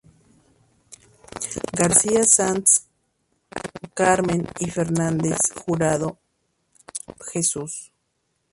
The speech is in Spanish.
García Sanz, Carmen y Fernández Jurado, Jesús.